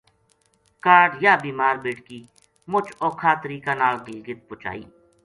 کاہڈ یاہ بیمار بیٹکی مُچ اوکھا طریقہ نال گلگت پوہچائی